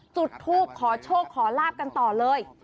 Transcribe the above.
จุดทูปขอโชคขอลาบกันต่อเลย